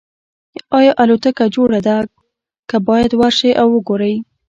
ایا الوتکه جوړه ده که باید ورشئ او وګورئ